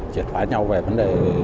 triệt phá nhau về vấn đề